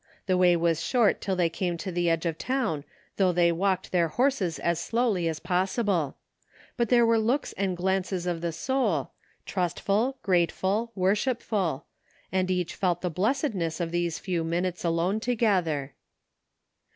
The way was short till they came to the edge of town though they walked their horses as slowly as possible; but there were looks and glances of the soul, trustful, grateful, worshipful; and each felt the blessedness of these few minutes alone together.